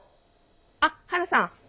あっハルさん。